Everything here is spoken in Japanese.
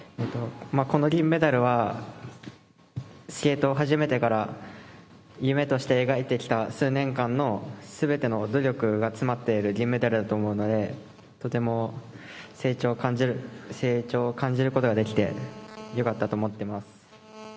この銀メダルは、スケートを始めてから、夢として描いてきた数年間のすべての努力が詰まっている銀メダルだと思うので、とても成長を感じることができて、よかったと思っています。